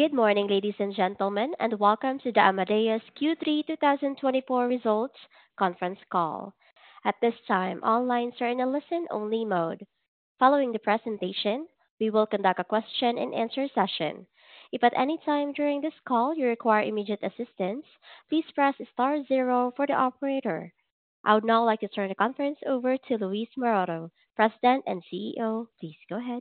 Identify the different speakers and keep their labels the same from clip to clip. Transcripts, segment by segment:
Speaker 1: Good morning, ladies and gentlemen, and welcome to the Amadeus Q3 2024 Results Conference Call. At this time, all lines are in a listen-only mode. Following the presentation, we will conduct a question-and-answer session. If at any time during this call you require immediate assistance, please press star zero for the operator. I would now like to turn the conference over to Luis Maroto, President and CEO. Please go ahead.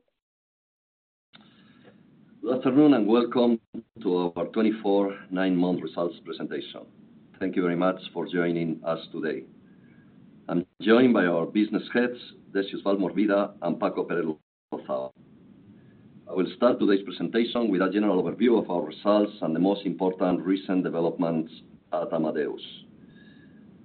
Speaker 2: Good afternoon and welcome to our nine-month results presentation. Thank you very much for joining us today. I'm joined by our business heads, Decius Valmorbida and Paco Pérez-Lozao. I will start today's presentation with a general overview of our results and the most important recent developments at Amadeus.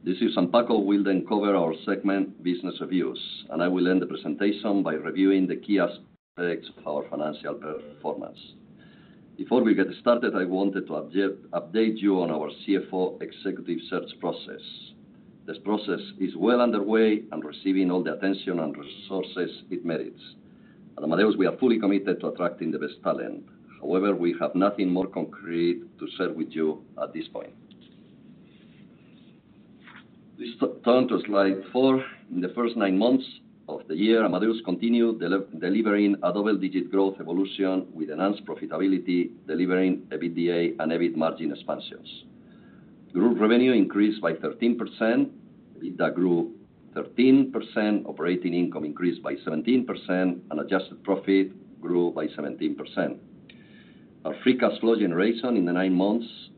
Speaker 2: Decius and Paco will then cover our segment, business reviews, and I will end the presentation by reviewing the key aspects of our financial performance. Before we get started, I wanted to update you on our CFO executive search process. This process is well underway and receiving all the attention and resources it merits. At Amadeus, we are fully committed to attracting the best talent. However, we have nothing more concrete to share with you at this point. We start on Slide 4. In the first nine months of the year, Amadeus continued delivering a double-digit growth evolution with enhanced profitability, delivering EBITDA and EBIT margin expansions. Group revenue increased by 13%. EBITDA grew 13%, operating income increased by 17%, and adjusted profit grew by 17%. Our free cash flow generation in the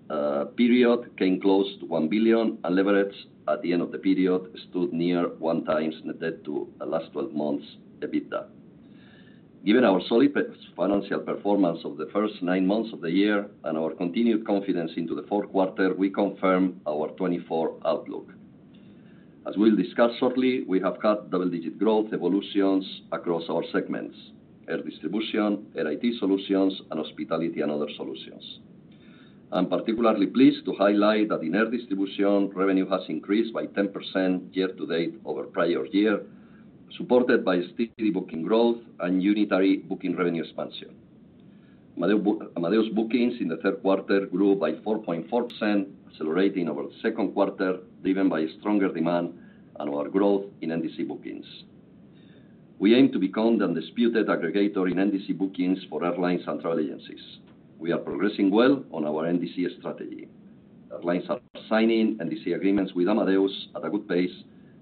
Speaker 2: nine-month period came close to 1 billion, and leverage at the end of the period stood near one times the debt to last 12 months EBITDA. Given our solid financial performance of the first nine months of the year and our continued confidence into the fourth quarter, we confirm our 2024 outlook. As we'll discuss shortly, we have had double-digit growth evolutions across our segments: Air Distribution, Airline IT Solutions, and Hospitality and Other Solutions. I'm particularly pleased to highlight that in air distribution, revenue has increased by 10% year to date over prior year, supported by steady booking growth and unitary booking revenue expansion. Amadeus bookings in the third quarter grew by 4.4%, accelerating our second quarter, driven by stronger demand and our growth in NDC bookings. We aim to become the undisputed aggregator in NDC bookings for airlines and travel agencies. We are progressing well on our NDC strategy. Airlines are signing NDC agreements with Amadeus at a good pace,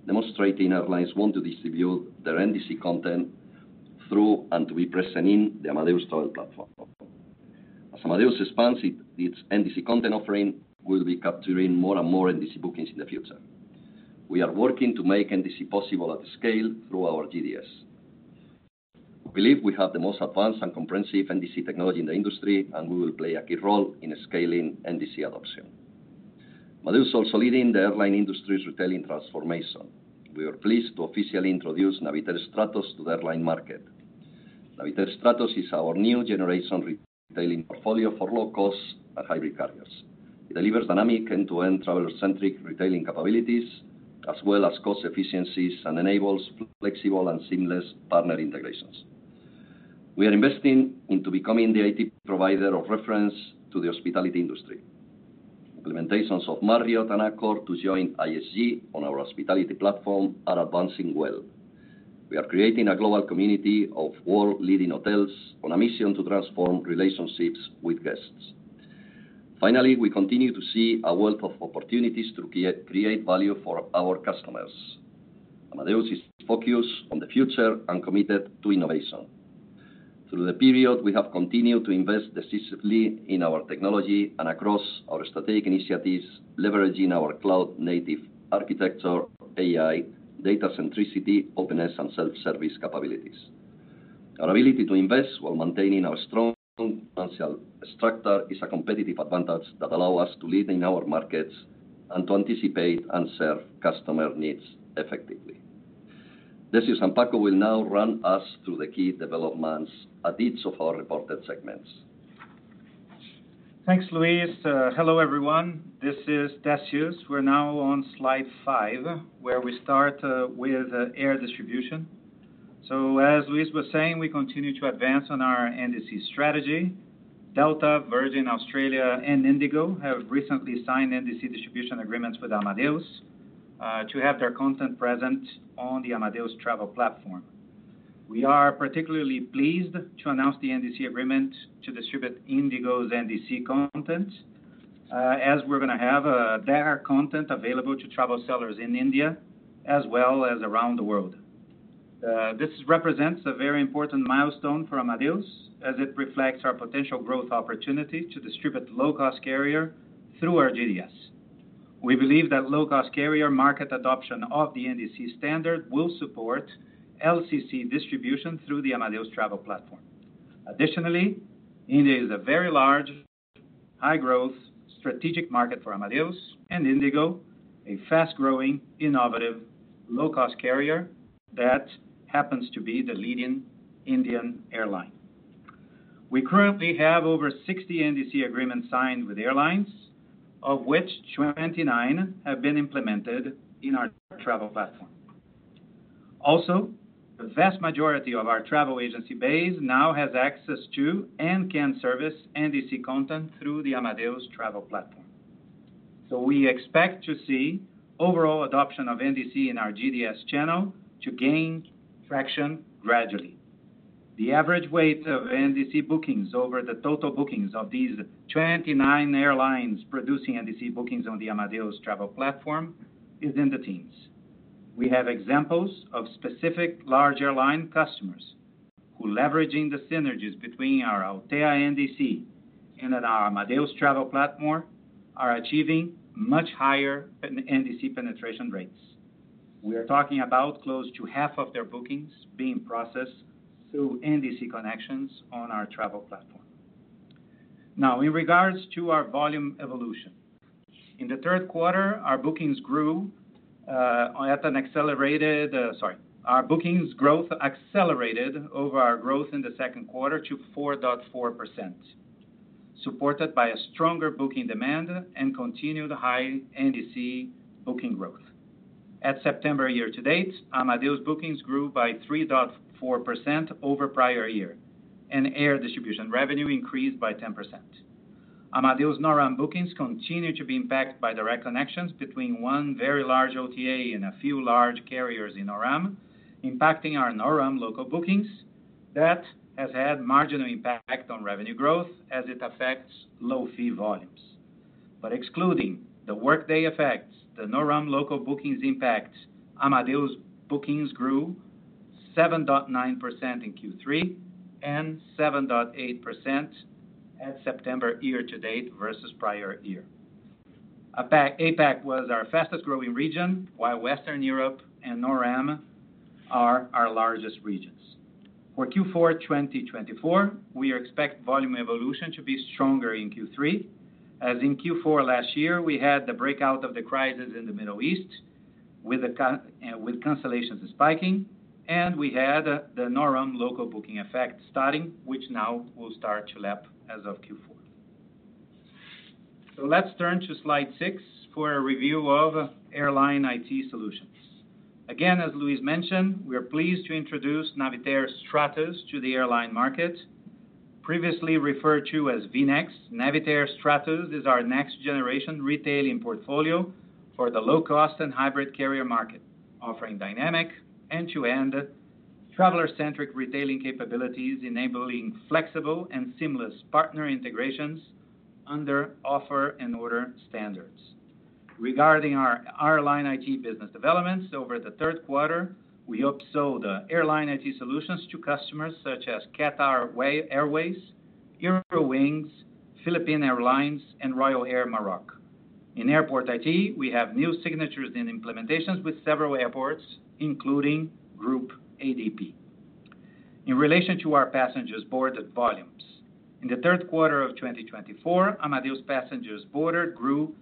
Speaker 2: demonstrating airlines want to distribute their NDC content through and to be present in the Amadeus travel platform. As Amadeus expands its NDC content offering, we'll be capturing more and more NDC bookings in the future. We are working to make NDC possible at scale through our GDS. We believe we have the most advanced and comprehensive NDC technology in the industry, and we will play a key role in scaling NDC adoption. Amadeus is also leading the airline industry's retailing transformation. We are pleased to officially introduce Navitaire Stratos to the airline market. Navitaire Stratos is our new generation retailing portfolio for low-cost and hybrid carriers. It delivers dynamic end-to-end traveler-centric retailing capabilities, as well as cost efficiencies, and enables flexible and seamless partner integrations. We are investing into becoming the IT provider of reference to the hospitality industry. Implementations of Marriott and Accor to join IHG on our hospitality platform are advancing well. We are creating a global community of world-leading hotels on a mission to transform relationships with guests. Finally, we continue to see a wealth of opportunities to create value for our customers. Amadeus is focused on the future and committed to innovation. Through the period, we have continued to invest decisively in our technology and across our strategic initiatives, leveraging our cloud-native architecture, AI, data centricity, openness, and self-service capabilities. Our ability to invest while maintaining our strong financial structure is a competitive advantage that allows us to lead in our markets and to anticipate and serve customer needs effectively. Decius and Paco will now run us through the key developments at each of our reported segments.
Speaker 3: Thanks, Luis. Hello, everyone. This is Decius. We're now on Slide 5, where we start with air distribution. So, as Luis was saying, we continue to advance on our NDC strategy. Delta, Virgin Australia, and IndiGo have recently signed NDC distribution agreements with Amadeus to have their content present on the Amadeus travel platform. We are particularly pleased to announce the NDC agreement to distribute IndiGo's NDC content, as we're going to have their content available to travel sellers in India as well as around the world. This represents a very important milestone for Amadeus, as it reflects our potential growth opportunity to distribute low-cost carrier through our GDS. We believe that low-cost carrier market adoption of the NDC standard will support LCC distribution through the Amadeus travel platform. Additionally, India is a very large, high-growth, strategic market for Amadeus and IndiGo, a fast-growing, innovative, low-cost carrier that happens to be the leading Indian airline. We currently have over 60 NDC agreements signed with airlines, of which 29 have been implemented in our Travel Platform. Also, the vast majority of our travel agency base now has access to and can service NDC content through the Amadeus Travel Platform. So, we expect to see overall adoption of NDC in our GDS channel to gain traction gradually. The average weight of NDC bookings over the total bookings of these 29 airlines producing NDC bookings on the Amadeus Travel Platform is in the teens. We have examples of specific large airline customers who, leveraging the synergies between our Altéa NDC and our Amadeus Travel Platform, are achieving much higher NDC penetration rates. We are talking about close to half of their bookings being processed through NDC connections on our travel platform. Now, in regards to our volume evolution, in the third quarter, our bookings grew at an accelerated, sorry, our bookings growth accelerated over our growth in the second quarter to 4.4%, supported by a stronger booking demand and continued high NDC booking growth. At September year to date, Amadeus bookings grew by 3.4% over prior year, and air distribution revenue increased by 10%. Amadeus NORAM bookings continue to be impacted by direct connections between one very large OTA and a few large carriers in NORAM, impacting our NORAM local bookings that has had marginal impact on revenue growth as it affects low-fee volumes. But excluding the workday effects, the NORAM local bookings impact, Amadeus bookings grew 7.9% in Q3 and 7.8% at September year to date versus prior year. APAC was our fastest-growing region, while Western Europe and NORAM are our largest regions. For Q4 2024, we expect volume evolution to be stronger in Q3, as in Q4 last year, we had the breakout of the crisis in the Middle East with cancellations spiking, and we had the NORAM local booking effect starting, which now will start to lap as of Q4. Let's turn to Slide 6 for a review of Airline IT Solutions. Again, as Luis mentioned, we are pleased to introduce Navitaire Stratos to the airline market. Previously referred to as VNEX, Navitaire Stratos is our next-generation retailing portfolio for the low-cost and hybrid carrier market, offering dynamic end-to-end traveler-centric retailing capabilities, enabling flexible and seamless partner integrations under offer and order standards. Regarding our airline IT business developments over the third quarter, we upsold airline IT solutions to customers such as Qatar Airways, Eurowings, Philippine Airlines, and Royal Air Maroc. In airport IT, we have new signatures and implementations with several airports, including Groupe ADP. In relation to our passengers boarded volumes, in the third quarter of 2024, Amadeus passengers boarded grew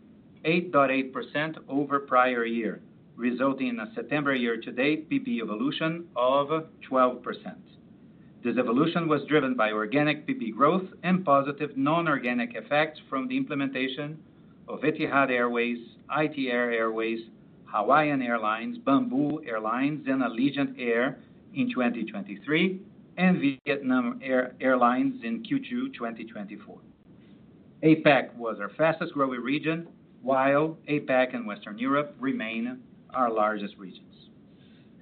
Speaker 3: 8.8% over prior year, resulting in a September year to date PB evolution of 12%. This evolution was driven by organic PB growth and positive non-organic effects from the implementation of Etihad Airways, ITA Airways, Hawaiian Airlines, Bamboo Airways, and Allegiant Air in 2023, and Vietnam Airlines in Q2 2024. APAC was our fastest-growing region, while APAC and Western Europe remain our largest regions.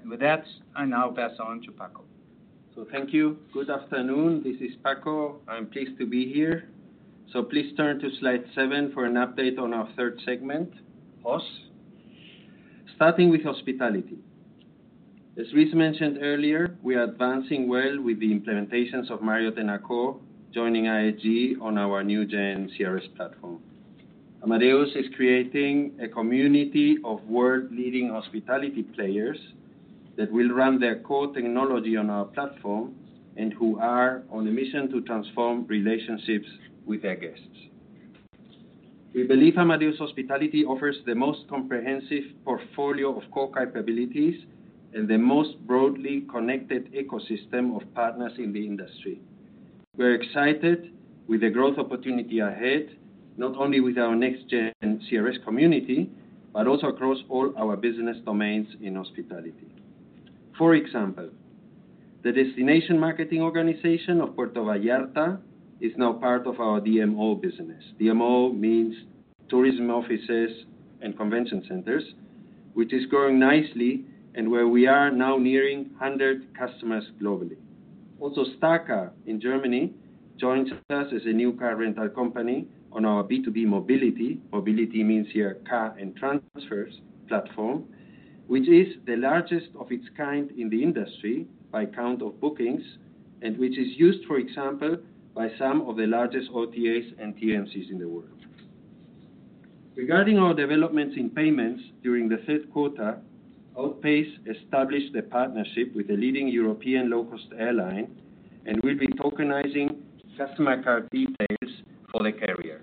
Speaker 3: With that, I now pass on to Paco.
Speaker 4: Thank you. Good afternoon. This is Paco. I'm pleased to be here. Please turn to Slide 7 for an update on our third segment, HOS, starting with hospitality. As Luis mentioned earlier, we are advancing well with the implementations of Marriott and Accor joining IHG on our next-gen CRS platform. Amadeus is creating a community of world-leading hospitality players that will run their core technology on our platform and who are on a mission to transform relationships with their guests. We believe Amadeus Hospitality offers the most comprehensive portfolio of core capabilities and the most broadly connected ecosystem of partners in the industry. We're excited with the growth opportunity ahead, not only with our next-gen CRS community, but also across all our business domains in hospitality. For example, the destination marketing organization of Puerto Vallarta is now part of our DMO business. DMO means tourism offices and convention centers, which is growing nicely and where we are now nearing 100 customers globally. Also, Starcar in Germany joins us as a new car rental company on our B2B mobility. Mobility means here car and transfers platform, which is the largest of its kind in the industry by count of bookings and which is used, for example, by some of the largest OTAs and TMCs in the world. Regarding our developments in payments during the third quarter, Outpayce established a partnership with a leading European low-cost airline and will be tokenizing customer card details for the carrier.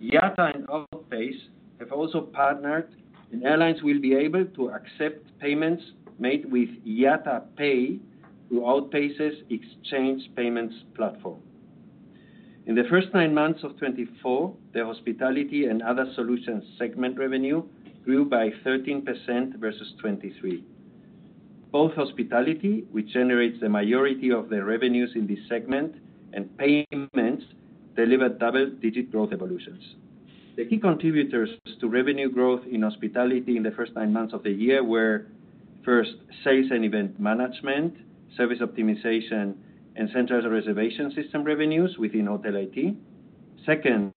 Speaker 4: IATA and Outpayce have also partnered, and airlines will be able to accept payments made with IATA Pay through Outpayce's Xchange Payment Platform. In the first nine months of 2024, the hospitality and other solutions segment revenue grew by 13% versus 2023. Both hospitality, which generates the majority of the revenues in this segment, and payments delivered double-digit growth evolutions. The key contributors to revenue growth in hospitality in the first nine months of the year were first sales and event management, service optimization, and central reservation system revenues within hotel IT. Second,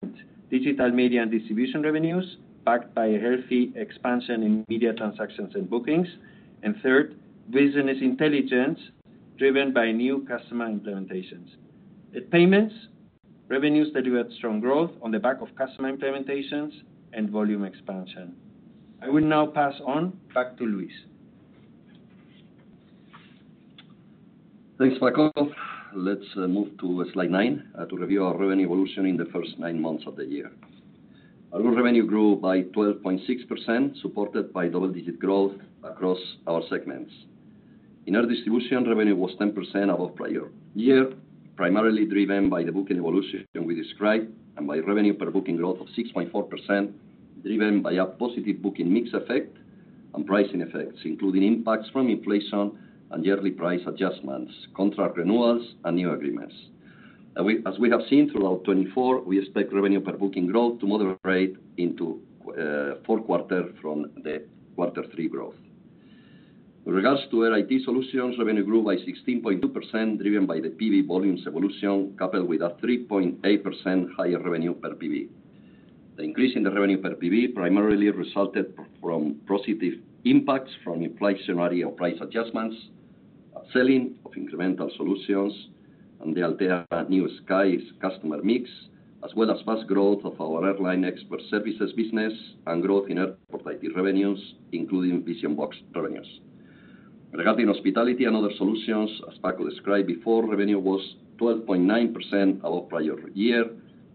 Speaker 4: digital media and distribution revenues backed by a healthy expansion in media transactions and bookings. And third, business intelligence driven by new customer implementations. At payments, revenues delivered strong growth on the back of customer implementations and volume expansion. I will now pass on back to Luis.
Speaker 2: Thanks, Paco. Let's move to Slide 9 to review our revenue evolution in the first nine months of the year. Our revenue grew by 12.6%, supported by double-digit growth across our segments. Air distribution revenue was 10% above prior year, primarily driven by the booking evolution we described and by revenue per booking growth of 6.4%, driven by a positive booking mix effect and pricing effects, including impacts from inflation and yearly price adjustments, contract renewals, and new agreements. As we have seen throughout 2024, we expect revenue per booking growth to moderate into fourth quarter from the quarter three growth. With regards to Airline IT Solutions, revenue grew by 16.2%, driven by the PV volumes evolution, coupled with a 3.8% higher revenue per PV. The increase in the revenue per PV primarily resulted from positive impacts from inflationary or price adjustments, selling of incremental solutions, and the Altéa, New Skies customer mix, as well as fast growth of our airline expert services business and growth in airport IT revenues, including Vision-Box revenues. Regarding hospitality and other solutions, as Paco described before, revenue was 12.9% above prior year,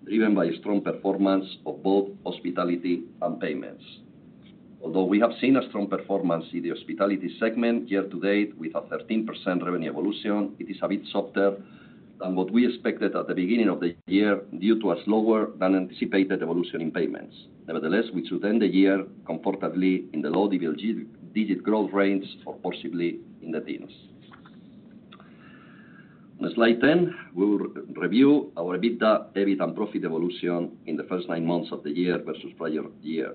Speaker 2: driven by strong performance of both hospitality and payments. Although we have seen a strong performance in the hospitality segment year to date with a 13% revenue evolution, it is a bit softer than what we expected at the beginning of the year due to a slower than anticipated evolution in payments. Nevertheless, we should end the year comfortably in the low-digit growth range or possibly in the teens. On Slide 10, we will review our EBITDA, EBIT, and profit evolution in the first nine months of the year versus prior year.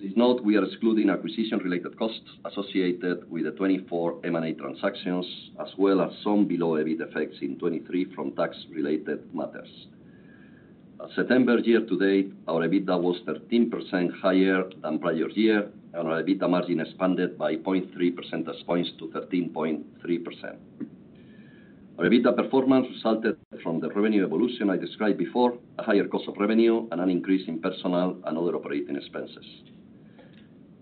Speaker 2: Please note we are excluding acquisition-related costs associated with the 2024 M&A transactions, as well as some below EBIT effects in 2023 from tax-related matters. As of September year to date, our EBITDA was 13% higher than prior year, and our EBITDA margin expanded by 0.3 percentage points to 13.3%. Our EBITDA performance resulted from the revenue evolution I described before, a higher cost of revenue, and an increase in personal and other operating expenses.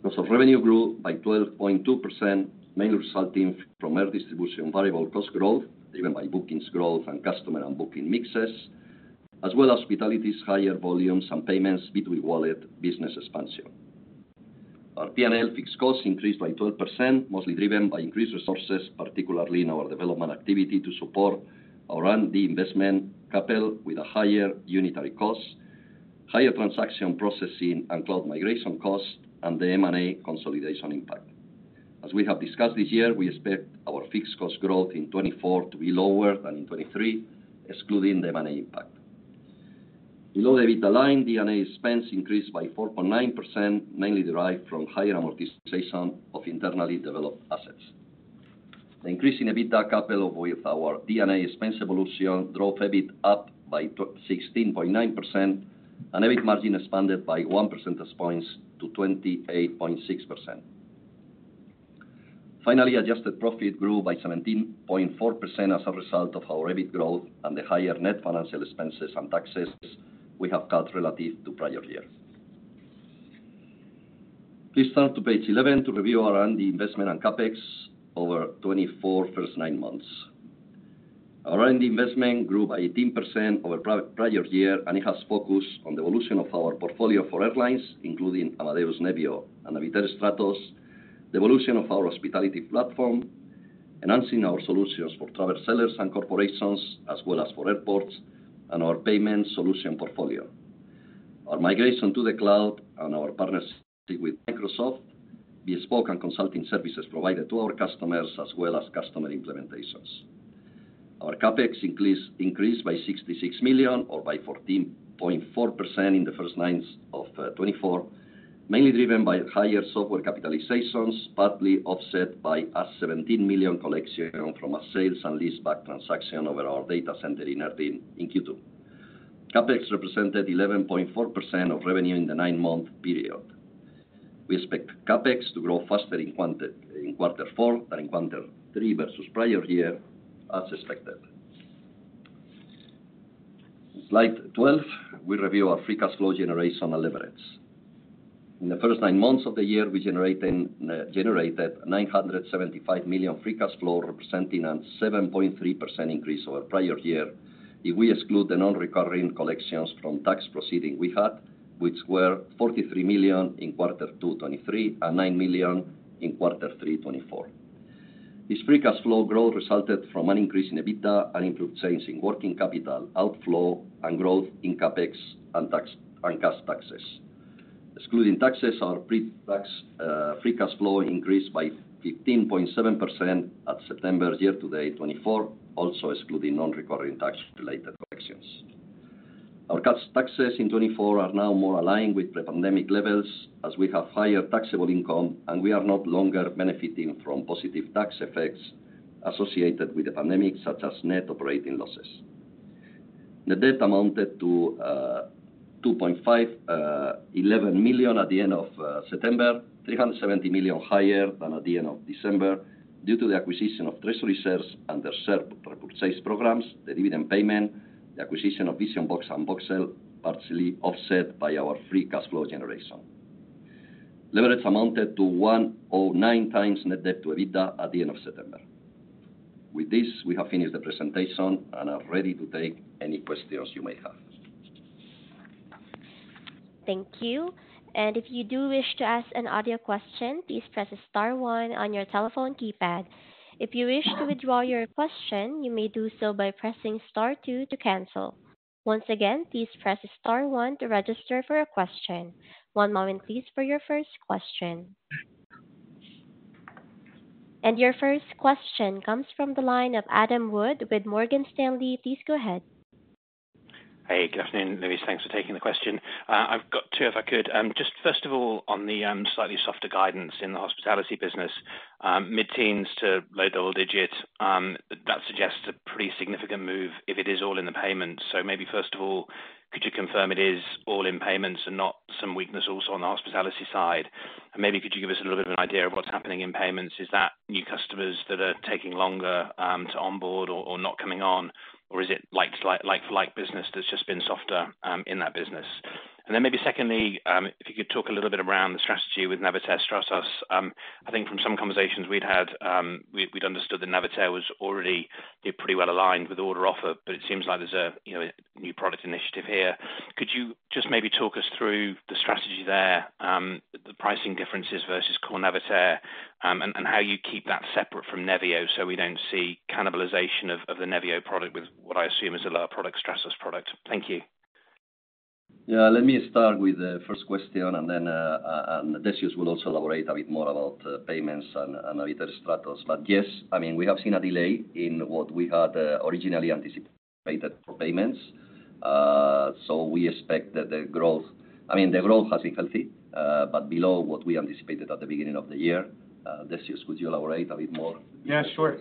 Speaker 2: Cost of revenue grew by 12.2%, mainly resulting from air distribution variable cost growth, driven by bookings growth and customer and booking mixes, as well as hospitality's higher volumes and payments between wallet business expansion. Our P&L fixed costs increased by 12%, mostly driven by increased resources, particularly in our development activity to support our R&D investment, coupled with a higher unitary cost, higher transaction processing and cloud migration cost, and the M&A consolidation impact. As we have discussed this year, we expect our fixed cost growth in 2024 to be lower than in 2023, excluding the M&A impact. Below the EBITDA line, D&A expense increased by 4.9%, mainly derived from higher amortization of internally developed assets. The increase in EBITDA coupled with our D&A expense evolution drove EBIT up by 16.9%, and EBIT margin expanded by 1 percentage points to 28.6%. Finally, adjusted profit grew by 17.4% as a result of our EBIT growth and the higher net financial expenses and taxes we have cut relative to prior year. Please turn to page 11 to review our R&D investment and CapEx over 2024 first nine months. Our R&D investment grew by 18% over prior year, and it has focused on the evolution of our portfolio for airlines, including Amadeus Nevio and Navitaire Stratos, the evolution of our hospitality platform, enhancing our solutions for travel sellers and corporations, as well as for airports, and our payment solution portfolio. Our migration to the cloud and our partnership with Microsoft, bespoke, and consulting services provided to our customers, as well as customer implementations. Our CapEx increased by 66 million or by 14.4% in the first nine of 2024, mainly driven by higher software capitalizations, partly offset by a 17 million collection from a sales and lease-back transaction over our data center in Q2. CapEx represented 11.4% of revenue in the nine-month period. We expect CapEx to grow faster in quarter four than in quarter three versus prior year, as expected. Slide 12, we review our free cash flow generation and leverage. In the first nine months of the year, we generated 975 million free cash flow, representing a 7.3% increase over prior year if we exclude the non-recurring collections from tax proceeding we had, which were 43 million in quarter two 2023 and 9 million in quarter three 2024. This free cash flow growth resulted from an increase in EBITDA and improved change in working capital outflow and growth in CapEx and cash taxes. Excluding taxes, our pre-tax free cash flow increased by 15.7% at September year to date 2024, also excluding non-recurring tax-related collections. Our cash taxes in 2024 are now more aligned with pre-pandemic levels as we have higher taxable income, and we are no longer benefiting from positive tax effects associated with the pandemic, such as net operating losses. The debt amounted to 2.511 billion at the end of September, 370 million higher than at the end of December due to the acquisition of treasury shares and their share purchase programs, the dividend payment, the acquisition of Vision-Box and Voxel, partially offset by our free cash flow generation. Leverage amounted to 1.09x net debt to EBITDA at the end of September. With this, we have finished the presentation and are ready to take any questions you may have.
Speaker 1: Thank you. And if you do wish to ask an audio question, please press the star one on your telephone keypad. If you wish to withdraw your question, you may do so by pressing star two to cancel. Once again, please press star one to register for a question. One moment, please, for your first question. And your first question comes from the line of Adam Wood with Morgan Stanley. Please go ahead.
Speaker 5: Hey, good afternoon, Luis. Thanks for taking the question. I've got two if I could. Just first of all, on the slightly softer guidance in the hospitality business, mid-teens to low double digits, that suggests a pretty significant move if it is all in the payments. So maybe first of all, could you confirm it is all in payments and not some weakness also on the hospitality side? And maybe could you give us a little bit of an idea of what's happening in payments? Is that new customers that are taking longer to onboard or not coming on? Or is it like-for-like business that's just been softer in that business? And then maybe secondly, if you could talk a little bit around the strategy with Navitaire Stratos. I think from some conversations we'd had, we'd understood that Navitaire was already pretty well aligned with Offer and Order, but it seems like there's a new product initiative here. Could you just maybe talk us through the strategy there, the pricing differences versus core Navitaire, and how you keep that separate from Nevio so we don't see cannibalization of the Nevio product with what I assume is a lower product, Stratos product? Thank you.
Speaker 2: Yeah, let me start with the first question, and then Decius will also elaborate a bit more about payments and Navitaire Stratos. But yes, I mean, we have seen a delay in what we had originally anticipated for payments. So we expect that the growth, I mean, the growth has been healthy, but below what we anticipated at the beginning of the year. Decius, could you elaborate a bit more?
Speaker 3: Yeah, sure.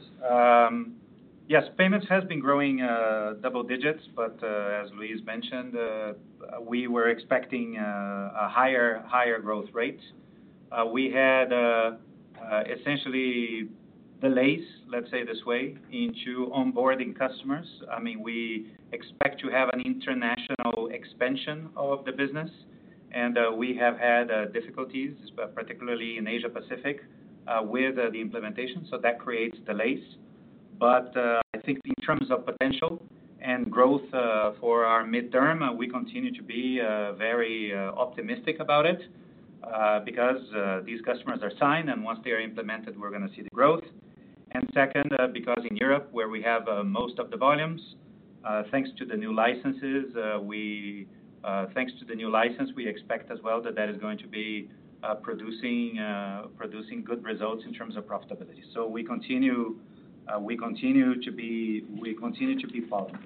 Speaker 3: Yes, payments has been growing double digits, but as Luis mentioned, we were expecting a higher growth rate. We had essentially delays, let's say this way, into onboarding customers. I mean, we expect to have an international expansion of the business, and we have had difficulties, particularly in Asia-Pacific, with the implementation. So that creates delays. But I think in terms of potential and growth for our midterm, we continue to be very optimistic about it because these customers are signed, and once they are implemented, we're going to see the growth. And second, because in Europe, where we have most of the volumes, thanks to the new licenses, thanks to the new license, we expect as well that that is going to be producing good results in terms of profitability. So we continue to be following.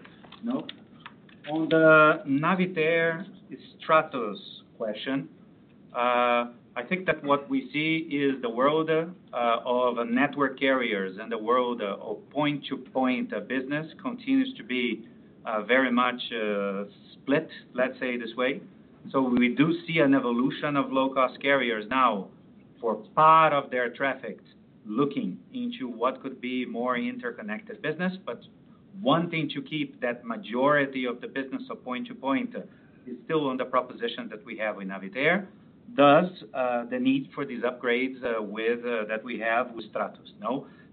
Speaker 3: Nope. On the Navitaire Stratos question, I think that what we see is the world of network carriers and the world of point-to-point business continues to be very much split, let's say this way. So we do see an evolution of low-cost carriers now for part of their traffic looking into what could be more interconnected business. But one thing to keep that majority of the business of point-to-point is still on the proposition that we have with Navitaire. Thus, the need for these upgrades that we have with Stratos.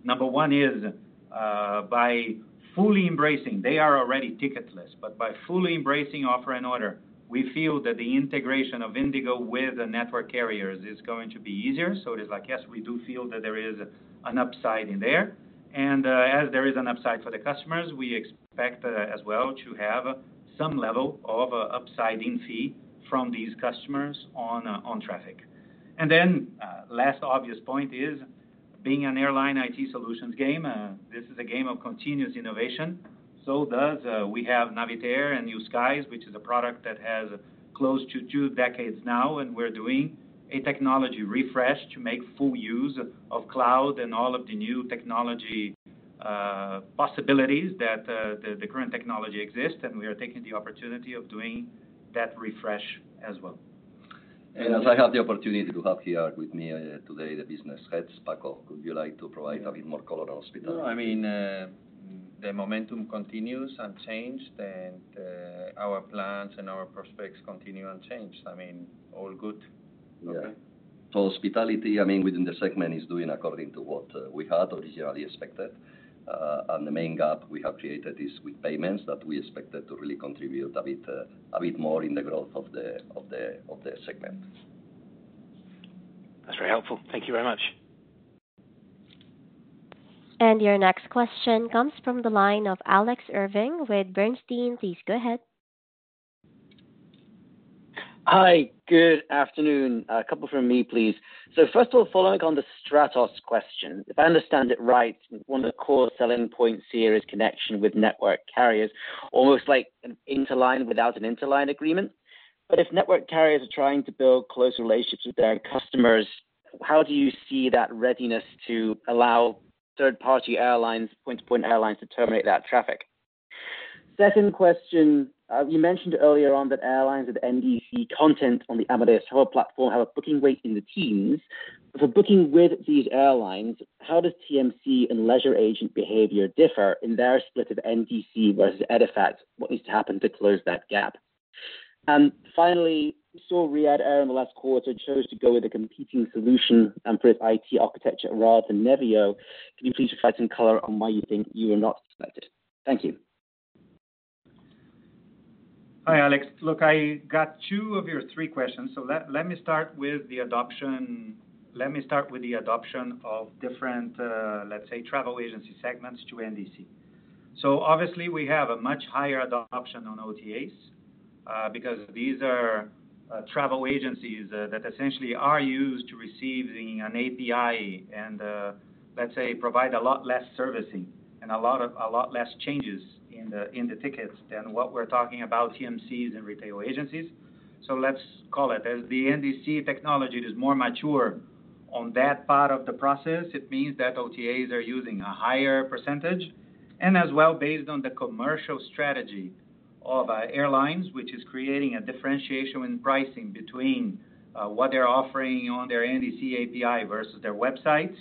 Speaker 3: Number one is by fully embracing, they are already ticketless, but by fully embracing offer and order, we feel that the integration of IndiGo with network carriers is going to be easier. So it is like, yes, we do feel that there is an upside in there. As there is an upside for the customers, we expect as well to have some level of upside in fee from these customers on traffic. Then the last obvious point is being an airline IT solutions game. This is a game of continuous innovation. We have Navitaire New Skies, which is a product that has close to two decades now, and we are doing a technology refresh to make full use of cloud and all of the new technology possibilities that the current technology exists. We are taking the opportunity of doing that refresh as well.
Speaker 2: As I had the opportunity to have here with me today the business heads, Paco, would you like to provide a bit more color on hospitality?
Speaker 4: I mean, the momentum continues unchanged, and our plans and our prospects continue unchanged. I mean, all good.
Speaker 2: So, hospitality, I mean, within the segment is doing according to what we had originally expected. And the main gap we have created is with payments that we expected to really contribute a bit more in the growth of the segment.
Speaker 5: That's very helpful. Thank you very much.
Speaker 1: And your next question comes from the line of Alex Irving with Bernstein. Please go ahead.
Speaker 6: Hi, good afternoon. A couple from me, please. So first of all, following on the Stratos question, if I understand it right, one of the core selling points here is connection with network carriers, almost like an interline without an interline agreement. But if network carriers are trying to build close relationships with their customers, how do you see that readiness to allow third-party airlines, point-to-point airlines, to terminate that traffic? Second question, you mentioned earlier on that airlines with NDC content on the Amadeus Hello platform have a booking weight in the teens. For booking with these airlines, how does TMC and leisure agent behavior differ in their split of NDC versus EDIFACT? What needs to happen to close that gap? And finally, we saw Riyadh Air in the last quarter chose to go with a competing solution for its IT architecture rather than Nevio. Could you please provide some color on why you think you were not selected? Thank you.
Speaker 3: Hi, Alex. Look, I got two of your three questions. So let me start with the adoption. Let me start with the adoption of different, let's say, travel agency segments to NDC. So obviously, we have a much higher adoption on OTAs because these are travel agencies that essentially are used to receiving an API and, let's say, provide a lot less servicing and a lot less changes in the tickets than what we're talking about TMCs and retail agencies. So let's call it as the NDC technology is more mature on that part of the process. It means that OTAs are using a higher percentage. And as well, based on the commercial strategy of airlines, which is creating a differentiation in pricing between what they're offering on their NDC API versus their websites,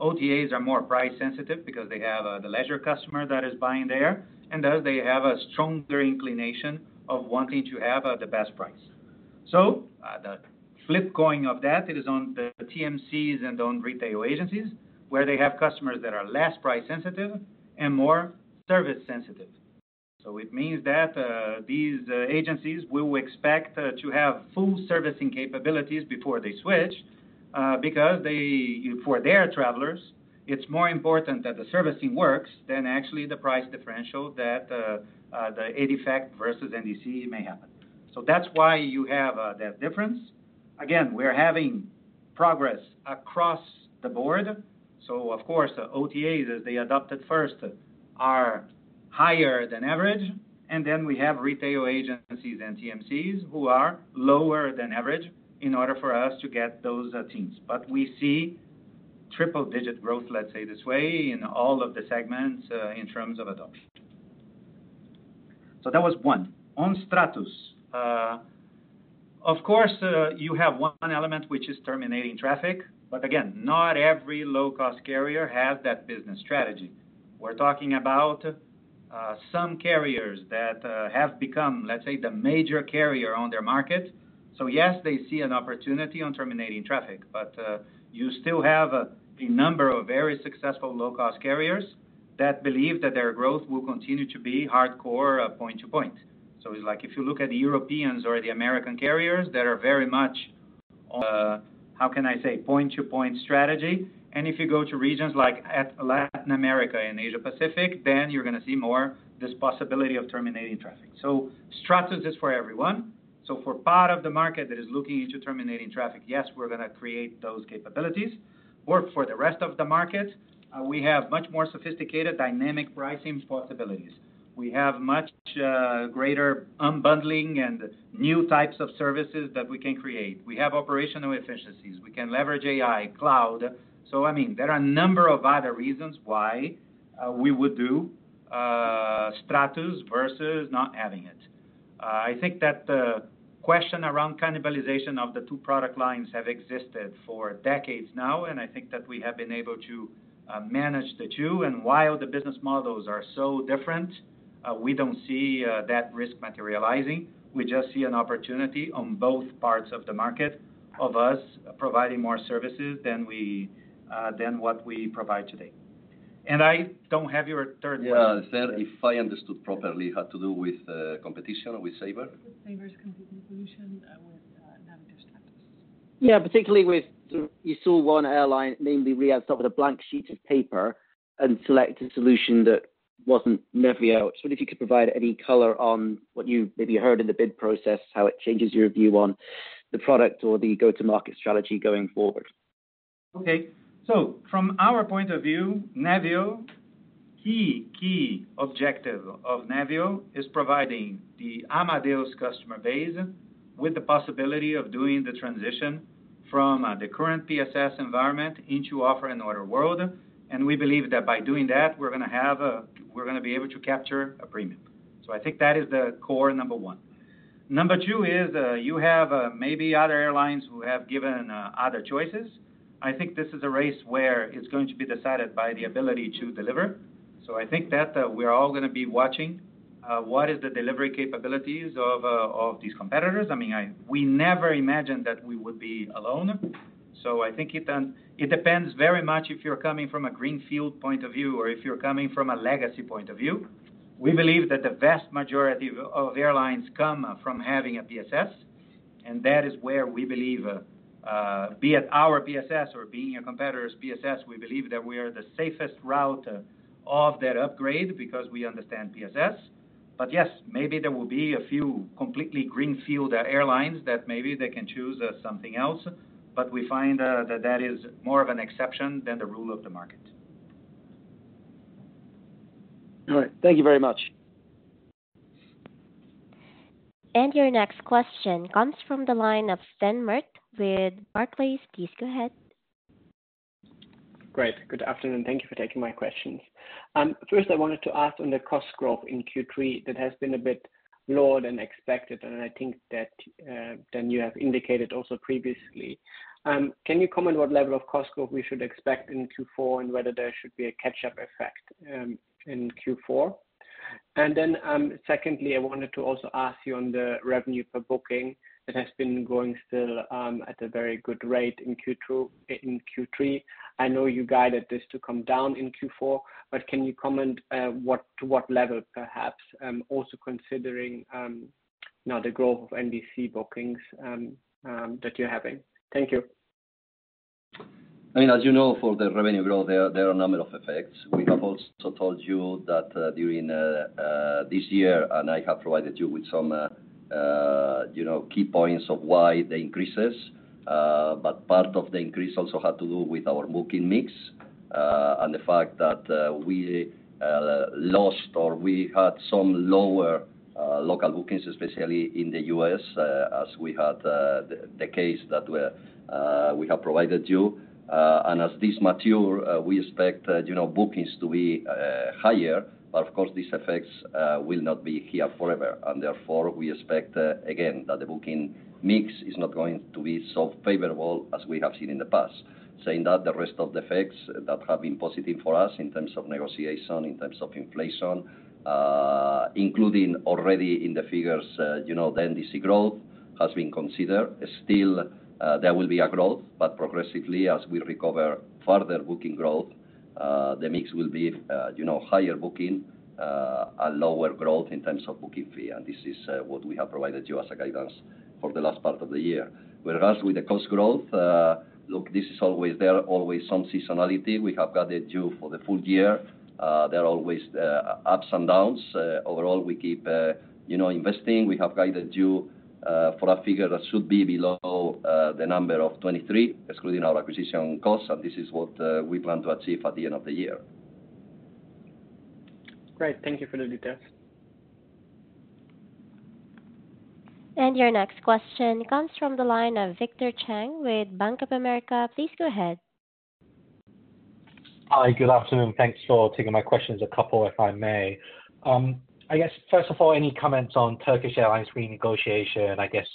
Speaker 3: OTAs are more price-sensitive because they have the leisure customer that is buying there, and thus they have a stronger inclination of wanting to have the best price. So the flip side of that is on the TMCs and on retail agencies, where they have customers that are less price-sensitive and more service-sensitive. So it means that these agencies will expect to have full servicing capabilities before they switch because for their travelers, it's more important that the servicing works than actually the price differential that the EDIFACT versus NDC may happen. So that's why you have that difference. Again, we're having progress across the board. So of course, OTAs, as they adopted first, are higher than average. And then we have retail agencies and TMCs who are lower than average in order for us to get those teams. But we see triple-digit growth, let's say this way, in all of the segments in terms of adoption. So that was one. On Stratos. Of course, you have one element, which is terminating traffic. But again, not every low-cost carrier has that business strategy. We're talking about some carriers that have become, let's say, the major carrier on their market. So yes, they see an opportunity on terminating traffic, but you still have a number of very successful low-cost carriers that believe that their growth will continue to be hardcore point-to-point. So it's like if you look at the Europeans or the American carriers that are very much on, how can I say, point-to-point strategy. If you go to regions like Latin America and Asia-Pacific, then you're going to see more this possibility of terminating traffic. Stratos is for everyone. For part of the market that is looking into terminating traffic, yes, we're going to create those capabilities. For the rest of the market, we have much more sophisticated dynamic pricing possibilities. We have much greater unbundling and new types of services that we can create. We have operational efficiencies. We can leverage AI, cloud. I mean, there are a number of other reasons why we would do Stratos versus not having it. I think that the question around cannibalization of the two product lines has existed for decades now, and I think that we have been able to manage the two. While the business models are so different, we don't see that risk materializing. We just see an opportunity on both parts of the market of us providing more services than what we provide today. And I don't have your third question.
Speaker 2: Yeah, if I understood properly, it had to do with competition with Sabre?
Speaker 6: Sabre's competing solution with Navitaire Stratos. Yeah, particularly with ITA Airways, namely Riyadh Air start with a blank sheet of paper and select a solution that wasn't Nevio. So if you could provide any color on what you maybe heard in the bid process, how it changes your view on the product or the go-to-market strategy going forward.
Speaker 3: Okay. So from our point of view, Nevio, key objective of Nevio is providing the Amadeus customer base with the possibility of doing the transition from the current PSS environment into Offer and Order world. And we believe that by doing that, we're going to have a, we're going to be able to capture a premium. So I think that is the core number one. Number two is you have maybe other airlines who have given other choices. I think this is a race where it's going to be decided by the ability to deliver. So I think that we're all going to be watching what is the delivery capabilities of these competitors. I mean, we never imagined that we would be alone. So I think it depends very much if you're coming from a greenfield point of view or if you're coming from a legacy point of view. We believe that the vast majority of airlines come from having a PSS, and that is where we believe, be it our PSS or being a competitor's PSS, we believe that we are the safest route of that upgrade because we understand PSS, but yes, maybe there will be a few completely greenfield airlines that maybe they can choose something else, but we find that that is more of an exception than the rule of the market.
Speaker 6: All right. Thank you very much.
Speaker 1: Your next question comes from the line of Sven Merkt with Barclays. Please go ahead.
Speaker 7: Great. Good afternoon. Thank you for taking my questions. First, I wanted to ask on the cost growth in Q3 that has been a bit lower than expected, and I think that then you have indicated also previously. Can you comment on what level of cost growth we should expect in Q4 and whether there should be a catch-up effect in Q4? And then secondly, I wanted to also ask you on the revenue per booking that has been going still at a very good rate in Q3. I know you guided this to come down in Q4, but can you comment to what level perhaps, also considering now the growth of NDC bookings that you're having? Thank you.
Speaker 2: I mean, as you know, for the revenue growth, there are a number of effects. We have also told you that during this year, and I have provided you with some key points of why the increases, but part of the increase also had to do with our booking mix and the fact that we lost or we had some lower local bookings, especially in the U.S., as we had the case that we have provided you, and as this matures, we expect bookings to be higher, but of course, these effects will not be here forever, and therefore, we expect again that the booking mix is not going to be so favorable as we have seen in the past. Saying that, the rest of the effects that have been positive for us in terms of negotiation, in terms of inflation, including already in the figures, the NDC growth has been considered. Still, there will be a growth, but progressively as we recover further booking growth, the mix will be higher booking and lower growth in terms of booking fee. And this is what we have provided you as a guidance for the last part of the year. Whereas with the cost growth, look, this is always there, always some seasonality. We have guided you for the full year. There are always ups and downs. Overall, we keep investing. We have guided you for a figure that should be below the number of 23, excluding our acquisition costs. And this is what we plan to achieve at the end of the year.
Speaker 7: Great. Thank you for the details.
Speaker 1: Your next question comes from the line of Victor Cheng with Bank of America. Please go ahead.
Speaker 8: Hi, good afternoon. Thanks for taking my questions. A couple, if I may. I guess first of all, any comments on Turkish Airlines renegotiation, I guess,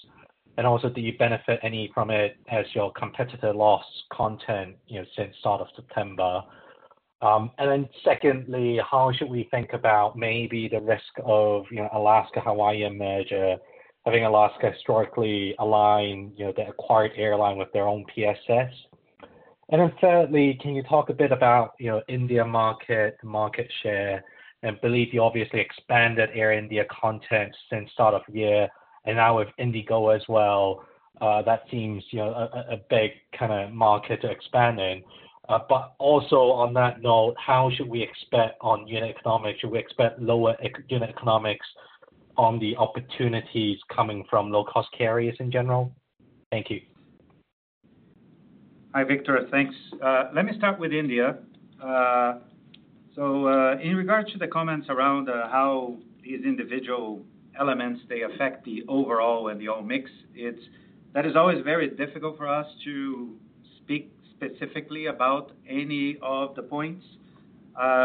Speaker 8: and also do you benefit any from it as your competitor lost content since start of September? And then secondly, how should we think about maybe the risk of Alaska-Hawaiian merger, having Alaska historically aligned the acquired airline with their own PSS? And then thirdly, can you talk a bit about India market, market share? And I believe you obviously expanded Air India content since start of year. And now with IndiGo as well, that seems a big kind of market to expand in. But also on that note, how should we expect on unit economics? Should we expect lower unit economics on the opportunities coming from low-cost carriers in general? Thank you.
Speaker 3: Hi, Victor. Thanks. Let me start with India. So in regards to the comments around how these individual elements, they affect the overall and the all mix, that is always very difficult for us to speak specifically about any of the points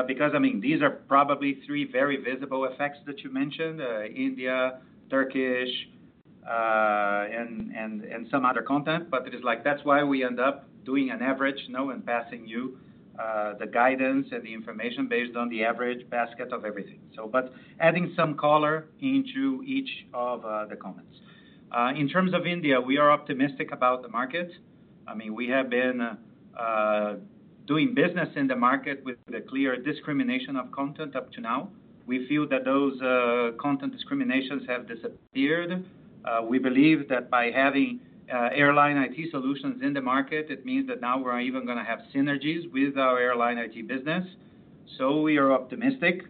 Speaker 3: because, I mean, these are probably three very visible effects that you mentioned: India, Turkish, and some other content. But it is like that's why we end up doing an average and passing you the guidance and the information based on the average basket of everything. But adding some color into each of the comments. In terms of India, we are optimistic about the market. I mean, we have been doing business in the market with a clear discrimination of content up to now. We feel that those content discriminations have disappeared. We believe that by having airline IT solutions in the market, it means that now we're even going to have synergies with our airline IT business. So we are optimistic.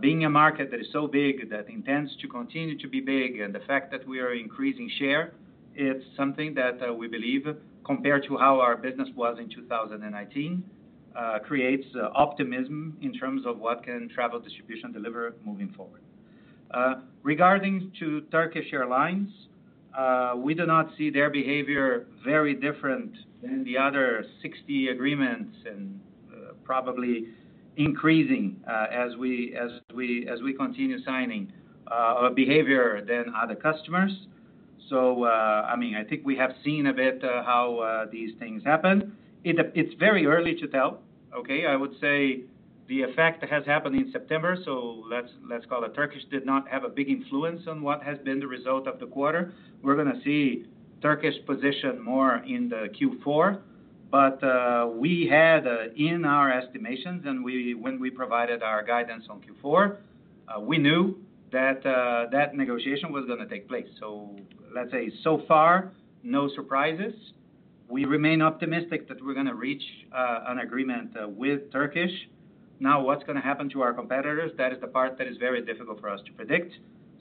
Speaker 3: Being a market that is so big that intends to continue to be big and the fact that we are increasing share, it's something that we believe compared to how our business was in 2019 creates optimism in terms of what can travel distribution deliver moving forward. Regarding to Turkish Airlines, we do not see their behavior very different than the other 60 agreements and probably increasing as we continue signing behavior than other customers. So I mean, I think we have seen a bit how these things happen. It's very early to tell. Okay. I would say the effect has happened in September. So, let's call it Turkish did not have a big influence on what has been the result of the quarter. We're going to see Turkish position more in the Q4. But we had in our estimations and when we provided our guidance on Q4, we knew that that negotiation was going to take place. So, let's say so far, no surprises. We remain optimistic that we're going to reach an agreement with Turkish. Now, what's going to happen to our competitors? That is the part that is very difficult for us to predict.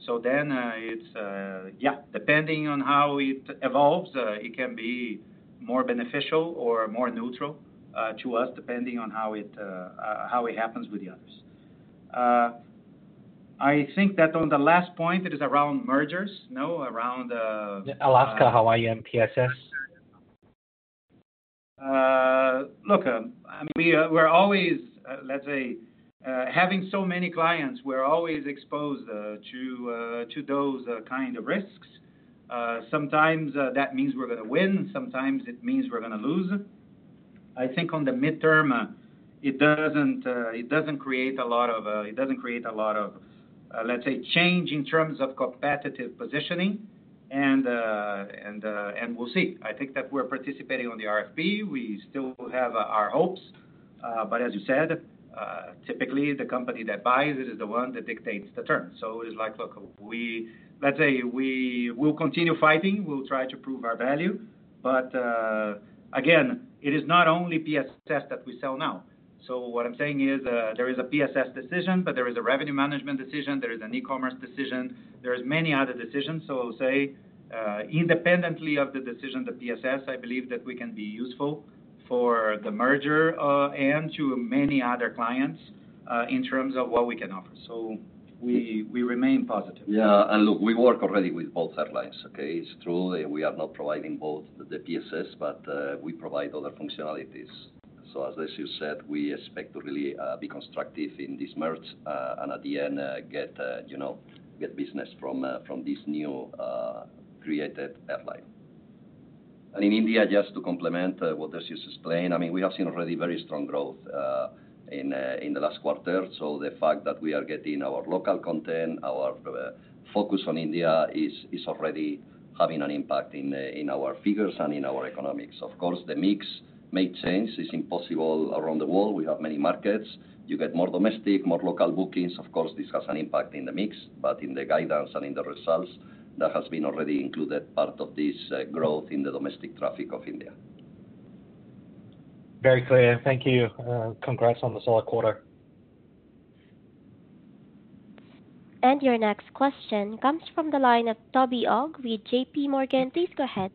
Speaker 3: So then it's, yeah, depending on how it evolves, it can be more beneficial or more neutral to us depending on how it happens with the others. I think that on the last point, it is around mergers, around.
Speaker 8: Alaska, Hawaiian, PSS.
Speaker 3: Look, I mean, we're always, let's say, having so many clients, we're always exposed to those kind of risks. Sometimes that means we're going to win. Sometimes it means we're going to lose. I think on the midterm, it doesn't create a lot of, let's say, change in terms of competitive positioning. And we'll see. I think that we're participating on the RFP. We still have our hopes. But as you said, typically the company that buys it is the one that dictates the term. So it is like, look, let's say we will continue fighting. We'll try to prove our value. But again, it is not only PSS that we sell now. So what I'm saying is there is a PSS decision, but there is a revenue management decision. There is an e-commerce decision. There are many other decisions. So, say, independently of the decision, the PSS, I believe that we can be useful for the merger and to many other clients in terms of what we can offer. So we remain positive.
Speaker 2: Yeah, and look, we work already with both airlines. Okay. It's true that we are not providing both the PSS, but we provide other functionalities. So as you said, we expect to really be constructive in this merge and at the end get business from this new created airline, and in India, just to complement what you just explained, I mean, we have seen already very strong growth in the last quarter. So the fact that we are getting our local content, our focus on India is already having an impact in our figures and in our economics. Of course, the mix may change. It's impossible around the world. We have many markets. You get more domestic, more local bookings. Of course, this has an impact in the mix. But in the guidance and in the results, that has been already included part of this growth in the domestic traffic of India.
Speaker 8: Very clear. Thank you. Congrats on the solid quarter.
Speaker 1: And your next question comes from the line of Toby Ogg with JP Morgan. Please go ahead.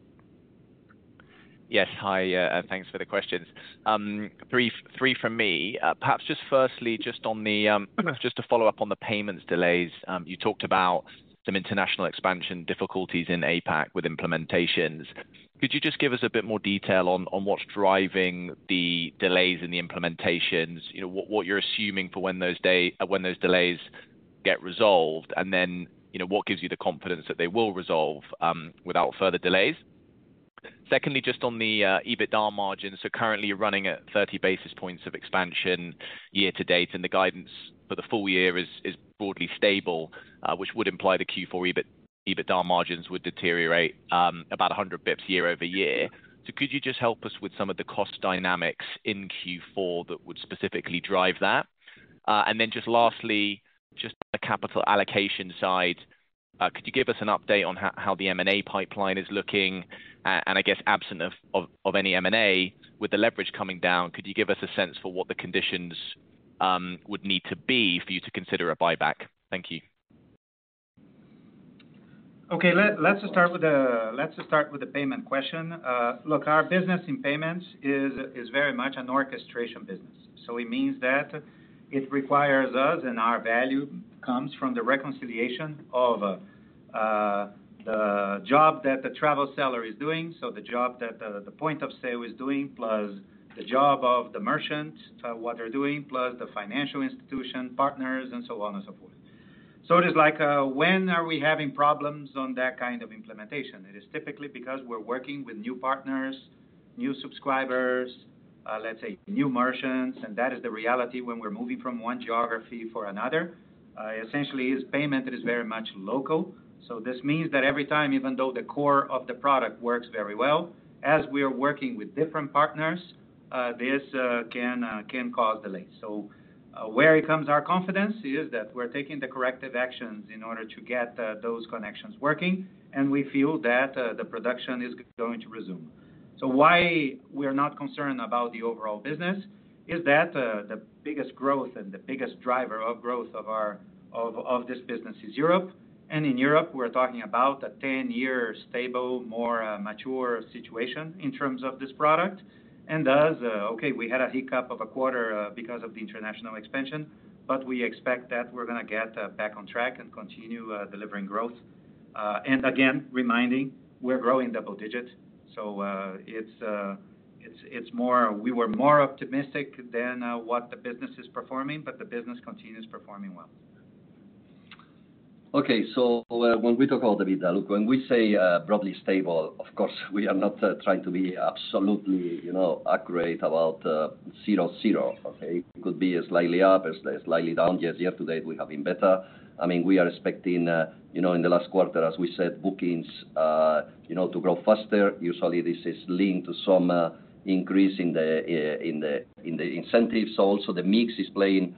Speaker 9: Yes. Hi. Thanks for the questions. Three from me. Perhaps just firstly, just to follow up on the payments delays, you talked about some international expansion difficulties in APAC with implementations. Could you just give us a bit more detail on what's driving the delays in the implementations, what you're assuming for when those delays get resolved, and then what gives you the confidence that they will resolve without further delays? Secondly, just on the EBITDA margins, so currently you're running at 30 basis points of expansion year to date, and the guidance for the full year is broadly stable, which would imply the Q4 EBITDA margins would deteriorate about 100 basis points year-over-year. So could you just help us with some of the cost dynamics in Q4 that would specifically drive that? And then just lastly, just on the capital allocation side, could you give us an update on how the M&A pipeline is looking? And I guess absent of any M&A, with the leverage coming down, could you give us a sense for what the conditions would need to be for you to consider a buyback? Thank you.
Speaker 3: Okay. Let's start with the payment question. Look, our business in payments is very much an orchestration business. So it means that it requires us, and our value comes from the reconciliation of the job that the travel seller is doing, so the job that the point of sale is doing, plus the job of the merchant, what they're doing, plus the financial institution, partners, and so on and so forth. So it is like, when are we having problems on that kind of implementation? It is typically because we're working with new partners, new subscribers, let's say new merchants, and that is the reality when we're moving from one geography to another. Essentially, payment is very much local. So this means that every time, even though the core of the product works very well, as we are working with different partners, this can cause delays. So where it comes our confidence is that we're taking the corrective actions in order to get those connections working, and we feel that the production is going to resume. So why we are not concerned about the overall business is that the biggest growth and the biggest driver of growth of this business is Europe. And in Europe, we're talking about a 10-year stable, more mature situation in terms of this product. And thus, okay, we had a hiccup of a quarter because of the international expansion, but we expect that we're going to get back on track and continue delivering growth. And again, reminding, we're growing double digit. So we were more optimistic than what the business is performing, but the business continues performing well.
Speaker 2: Okay. So when we talk about EBITDA, look, when we say broadly stable, of course, we are not trying to be absolutely accurate about zero-zero. Okay. It could be a slightly up, a slightly down. Yes, year to date, we have been better. I mean, we are expecting in the last quarter, as we said, bookings to grow faster. Usually, this is linked to some increase in the incentives. So also the mix is playing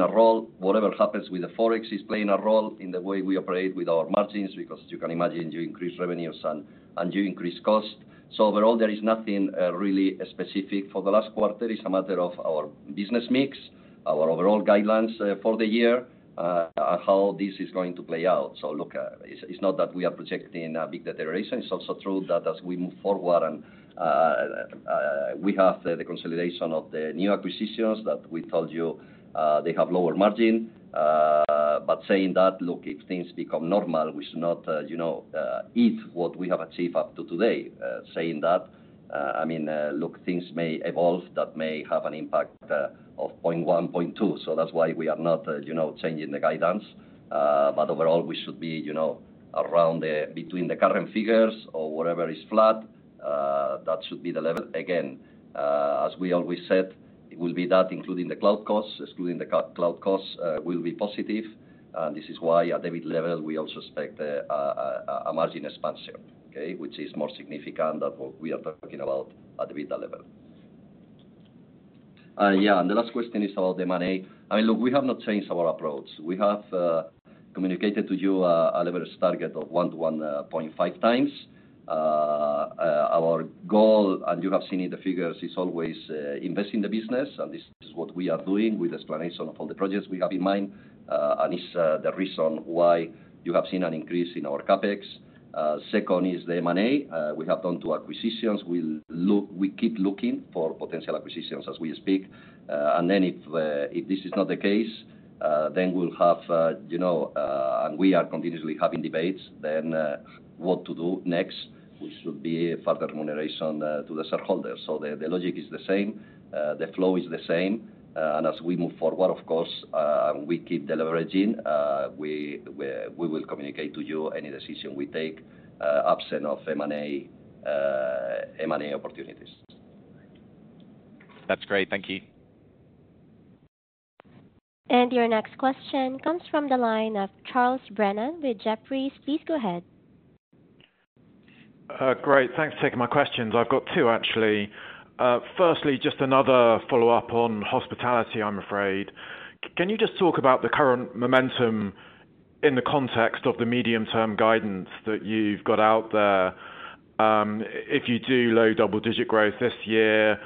Speaker 2: a role. Whatever happens with the forex is playing a role in the way we operate with our margins because you can imagine you increase revenues and you increase cost. So overall, there is nothing really specific for the last quarter. It's a matter of our business mix, our overall guidelines for the year, and how this is going to play out. So look, it's not that we are projecting a big deterioration. It's also true that as we move forward and we have the consolidation of the new acquisitions that we told you they have lower margin. But saying that, look, if things become normal, we should not eat what we have achieved up to today. Saying that, I mean, look, things may evolve that may have an impact of 0.1, 0.2. So that's why we are not changing the guidance. But overall, we should be around between the current figures or whatever is flat. That should be the level. Again, as we always said, it will be that including the cloud costs, excluding the cloud costs. It will be positive. And this is why at EBIT level, we also expect a margin expansion, okay, which is more significant than what we are talking about at the EBITDA level. Yeah, and the last question is about M&A. I mean, look, we have not changed our approach. We have communicated to you a leverage target of one to 1.5 times. Our goal, and you have seen in the figures, is always invest in the business, and this is what we are doing with the explanation of all the projects we have in mind, and it's the reason why you have seen an increase in our CapEx. Second is the M&A. We have done two acquisitions. We keep looking for potential acquisitions as we speak. And then if this is not the case, then we'll have, and we are continuously having debates, then what to do next? We should be further remuneration to the shareholders. So the logic is the same. The flow is the same, and as we move forward, of course, we keep the leveraging. We will communicate to you any decision we take absent of M&A opportunities.
Speaker 9: That's great. Thank you.
Speaker 1: And your next question comes from the line of Charles Brennan with Jefferies. Please go ahead.
Speaker 10: Great. Thanks for taking my questions. I've got two, actually. Firstly, just another follow-up on hospitality, I'm afraid. Can you just talk about the current momentum in the context of the medium-term guidance that you've got out there? If you do low double-digit growth this year,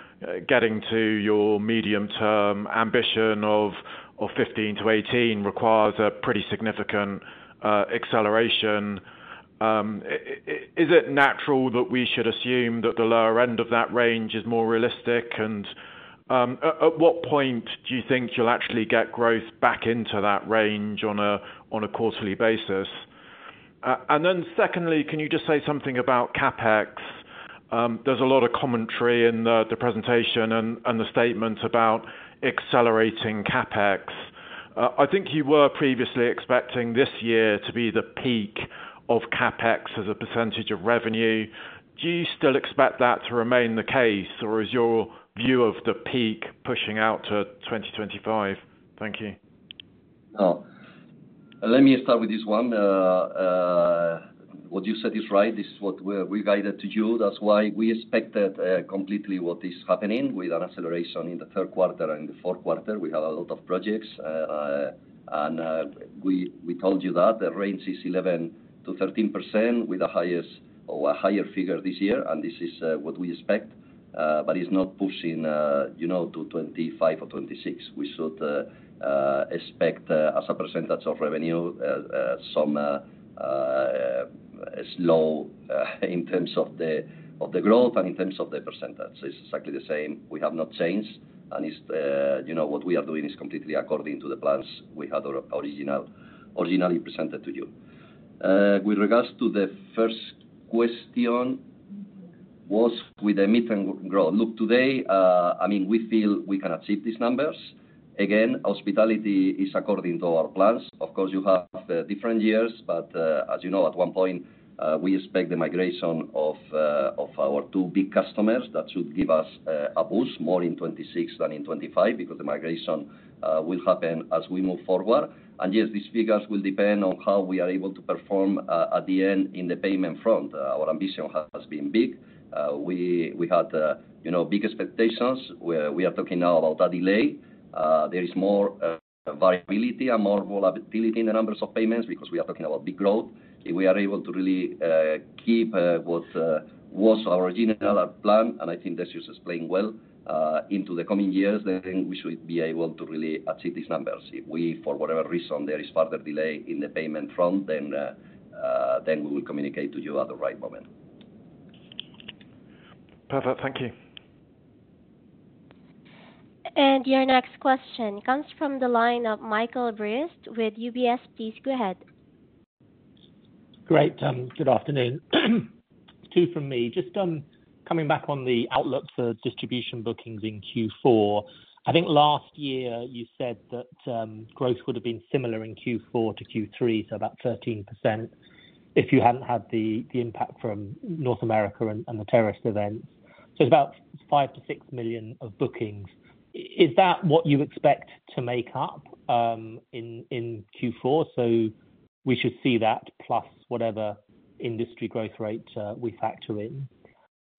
Speaker 10: getting to your medium-term ambition of 15%-18% requires a pretty significant acceleration. Is it natural that we should assume that the lower end of that range is more realistic? And at what point do you think you'll actually get growth back into that range on a quarterly basis? And then secondly, can you just say something about CapEx? There's a lot of commentary in the presentation and the statement about accelerating CapEx. I think you were previously expecting this year to be the peak of CapEx as a percentage of revenue. Do you still expect that to remain the case, or is your view of the peak pushing out to 2025? Thank you.
Speaker 2: Let me start with this one. What you said is right. This is what we guided to you. That's why we expected completely what is happening with an acceleration in the third quarter and the fourth quarter. We have a lot of projects. And we told you that the range is 11%-13% with a higher figure this year. And this is what we expect. But it's not pushing to 25 or 26. We should expect as a percentage of revenue, some slow in terms of the growth and in terms of the percentage. It's exactly the same. We have not changed. And what we are doing is completely according to the plans we had originally presented to you. With regards to the first question, was with the midterm growth? Look, today, I mean, we feel we can achieve these numbers. Again, hospitality is according to our plans. Of course, you have different years. But as you know, at one point, we expect the migration of our two big customers that should give us a boost, more in 2026 than in 2025, because the migration will happen as we move forward. And yes, these figures will depend on how we are able to perform at the end in the payment front. Our ambition has been big. We had big expectations. We are talking now about that delay. There is more variability and more volatility in the numbers of payments because we are talking about big growth. If we are able to really keep what was our original plan, and I think this is explained well, into the coming years, then we should be able to really achieve these numbers. If we, for whatever reason, there is further delay in the payment front, then we will communicate to you at the right moment.
Speaker 10: Perfect. Thank you.
Speaker 1: And your next question comes from the line of Michael Briest with UBS. Please go ahead.
Speaker 11: Great. Good afternoon. Two from me. Just coming back on the outlook for distribution bookings in Q4. I think last year you said that growth would have been similar in Q4 to Q3, so about 13% if you hadn't had the impact from North America and the terrorist events. So it's about 5-6 million bookings. Is that what you expect to make up in Q4? So we should see that plus whatever industry growth rate we factor in.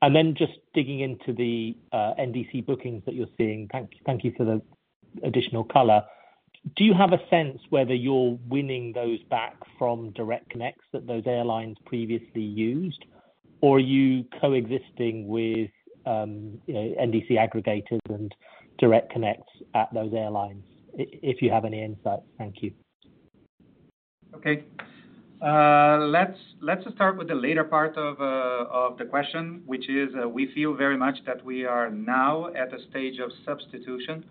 Speaker 11: And then just digging into the NDC bookings that you're seeing, thank you for the additional color. Do you have a sense whether you're winning those back from direct connects that those airlines previously used, or are you coexisting with NDC aggregators and direct connects at those airlines? If you have any insights, thank you.
Speaker 3: Okay. Let's start with the later part of the question, which is we feel very much that we are now at a stage of substitution.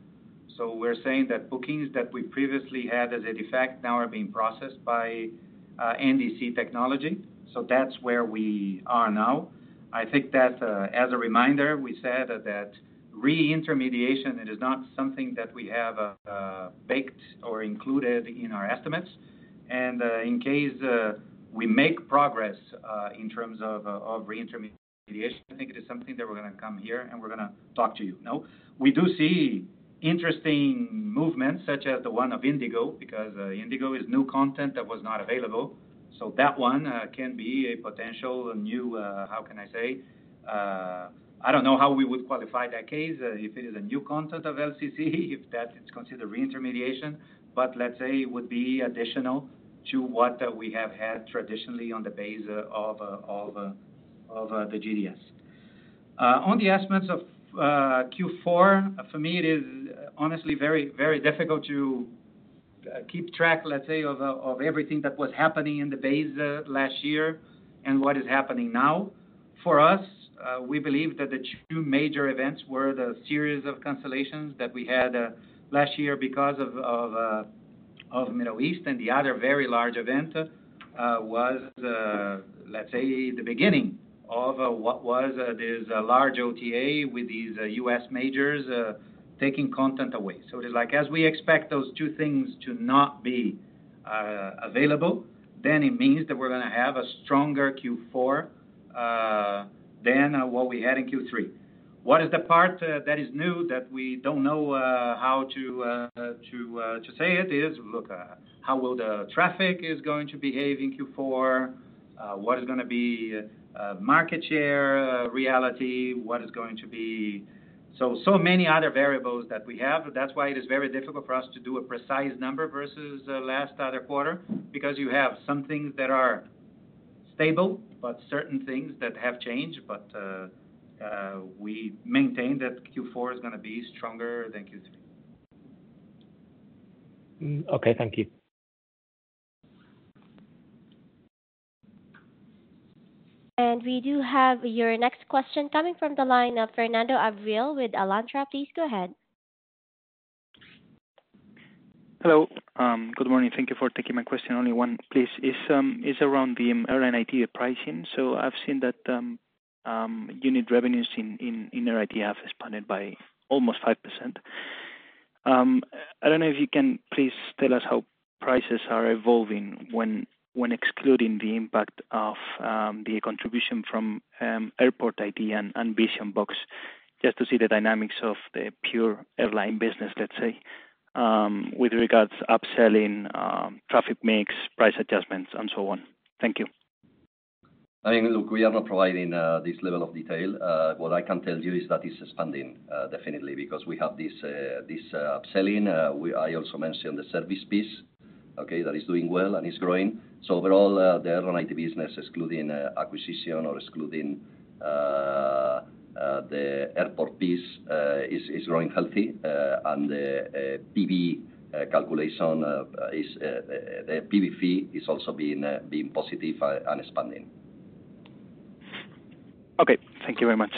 Speaker 3: So we're saying that bookings that we previously had as a default now are being processed by NDC technology. So that's where we are now. I think that as a reminder, we said that reintermediation, it is not something that we have baked or included in our estimates. And in case we make progress in terms of reintermediation, I think it is something that we're going to come here and we're going to talk to you. Now, we do see interesting movements such as the one of IndiGo because IndiGo is new content that was not available. So that one can be a potential new, how can I say? I don't know how we would qualify that case if it is a new content of LCC, if that is considered reintermediation. But let's say it would be additional to what we have had traditionally on the base of the GDS. On the estimates of Q4, for me, it is honestly very difficult to keep track, let's say, of everything that was happening in the base last year and what is happening now. For us, we believe that the two major events were the series of cancellations that we had last year because of Middle East. And the other very large event was, let's say, the beginning of what was this large OTA with these U.S. majors taking content away. So it is like, as we expect those two things to not be available, then it means that we're going to have a stronger Q4 than what we had in Q3. What is the part that is new that we don't know how to say? It is, look, how will the traffic is going to behave in Q4? What is going to be market share reality? What is going to be? So many other variables that we have. That's why it is very difficult for us to do a precise number versus last other quarter because you have some things that are stable, but certain things that have changed. But we maintain that Q4 is going to be stronger than Q3.
Speaker 11: Okay. Thank you.
Speaker 1: We do have your next question coming from the line of Fernando Abril-Martorell with Alantra. Please go ahead.
Speaker 12: Hello. Good morning. Thank you for taking my question. Only one please. It's around the airline IT pricing. So I've seen that unit revenues in air IT have expanded by almost 5%. I don't know if you can please tell us how prices are evolving when excluding the impact of the contribution from airport IT and Vision-Box, just to see the dynamics of the pure airline business, let's say, with regards to upselling, traffic mix, price adjustments, and so on. Thank you.
Speaker 2: I mean, look, we are not providing this level of detail. What I can tell you is that it's expanding, definitely, because we have this upselling. I also mentioned the service piece, okay, that is doing well and is growing. So overall, the airline IT business, excluding acquisition or excluding the airport piece, is growing healthy. And the PV calculation, the PV fee is also being positive and expanding.
Speaker 12: Okay. Thank you very much.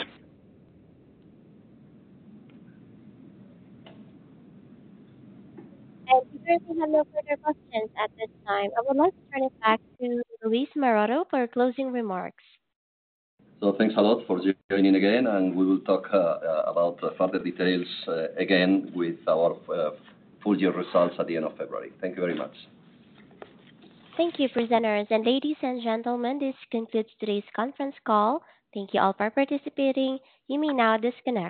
Speaker 1: We don't have any further questions at this time. I would like to turn it back to Luis Maroto for closing remarks.
Speaker 2: So thanks a lot for joining again. And we will talk about further details again with our full year results at the end of February. Thank you very much.
Speaker 1: Thank you, presenters. Ladies and gentlemen, this concludes today's conference call. Thank you all for participating. You may now disconnect.